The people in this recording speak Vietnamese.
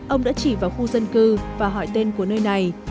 ông đã chỉ vào khu dân cư và hỏi tên của nơi này